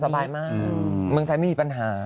เมืองไทยสบายมากเมืองไทยไม่มีปัญหา